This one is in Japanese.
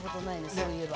そういえば。